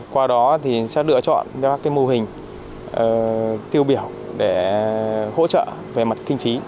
qua đó thì sẽ lựa chọn ra các mô hình tiêu biểu để hỗ trợ về mặt kinh phí